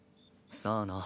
さあな。